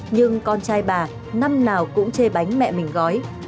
nhưng con trai bà năm nào cũng chê bánh mẹ mình gói